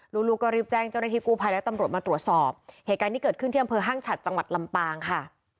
ลูกลูกก็รีบแจ้งเจ้าหน้าที่กู้ภัยและตำรวจมาตรวจสอบเหตุการณ์ที่เกิดขึ้นที่อำเภอห้างฉัดจังหวัดลำปางค่ะ